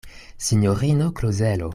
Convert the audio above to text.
Sinjorino Klozelo!